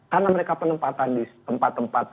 karena mereka penempatan di tempat tempat